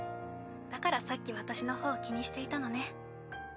だからさっき私の方気にしていたのね。